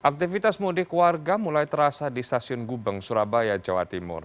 aktivitas mudik warga mulai terasa di stasiun gubeng surabaya jawa timur